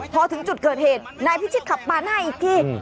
พอถึงจุดเกิดเหตุนายพิชิตขับปาดหน้าอีกที